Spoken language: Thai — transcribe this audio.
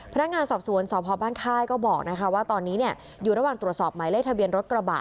พนักงานสอบสวนสพบ้านค่ายก็บอกว่าตอนนี้อยู่ระหว่างตรวจสอบหมายเลขทะเบียนรถกระบะ